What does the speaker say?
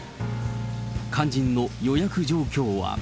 肝心の予約状況は。